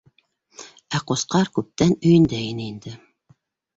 Ә Ҡусҡар күптән өйөндә ине инде.